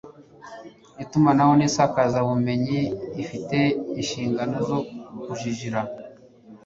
itumanaho n'isakazabumenyi ifite inshingano zo kujijra